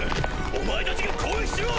お前たちが攻撃しろ！